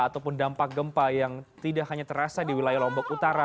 ataupun dampak gempa yang tidak hanya terasa di wilayah lombok utara